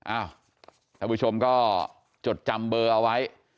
ท่านผู้ชมก็จดจำเบอร์เอาไว้